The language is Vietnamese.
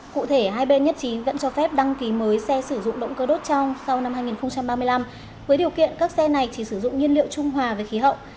cụ thể hai bên nhất trí vẫn cho phép đăng ký mới xe sử dụng động cơ đốt trong sau năm hai nghìn ba mươi năm với điều kiện các xe này chỉ sử dụng nhiên liệu trung hòa về khí hậu